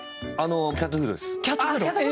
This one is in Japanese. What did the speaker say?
キャットフードです。